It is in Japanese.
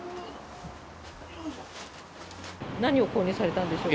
何を購入されたんでしょうか。